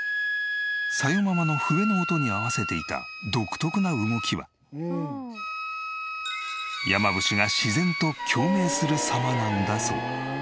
紗代ママの笛の音に合わせていた独特な動きは山伏が自然と共鳴する様なんだそう。